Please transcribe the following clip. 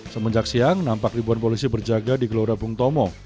semenjak siang nampak ribuan polisi berjaga di gelora bung tomo